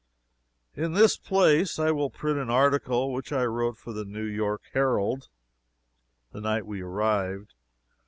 In this place I will print an article which I wrote for the New York Herald the night we arrived.